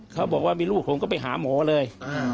เขาบอกว่ามีลูกผมก็ไปหาหมอเลย